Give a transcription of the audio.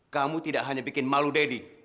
kamu tidak hanya bikin malu deddy